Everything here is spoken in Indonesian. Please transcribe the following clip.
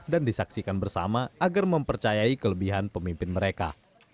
dan disaksikan bersama agar mempercayai kelebihan pemimpin mereka